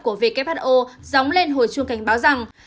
của who gióng lên hồi chuông cảnh báo rằng